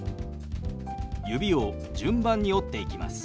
指を順番に折っていきます。